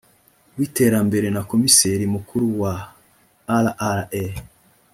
w intebe na komiseri mukuru wa rra